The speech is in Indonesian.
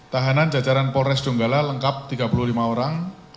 tahanan jajaran polres donggala lengkap tiga puluh lima orang